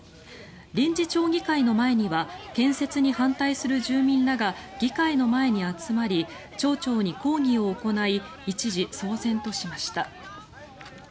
臨時町議会の前には建設に反対する住民らが議会の前に集まり町長に抗議を行い一時、騒然としました。